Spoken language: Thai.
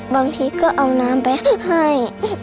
บางทีก็เอาน้ำไปให้